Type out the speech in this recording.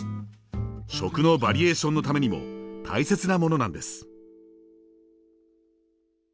食のバリエーションのためにも大切なものなんです。